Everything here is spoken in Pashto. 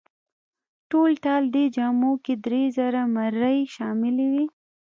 ټولټال دې جامو کې درې زره مرۍ شاملې وې.